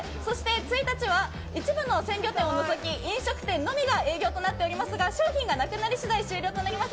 １日は一部の鮮魚店を除き飲食店のみが営業となってますが商品がなくなり次第終了となっています。